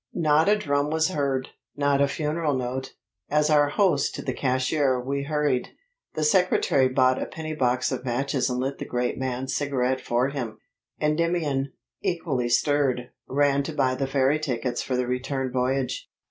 Not a drum was heard, not a funeral note, as our host to the cashier we hurried. The secretary bought a penny box of matches and lit the great man's cigarette for him. Endymion, equally stirred, ran to buy the ferry tickets for the return voyage.